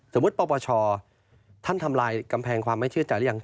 ปปชท่านทำลายกำแพงความไม่เชื่อใจหรือยัง